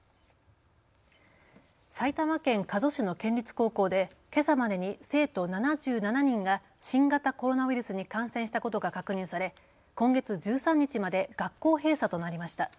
埼玉県加須市の県立高校でけさまでに生徒７７人が新型コロナウイルスに感染したことが確認され、今月１３日まで学校閉鎖となりました。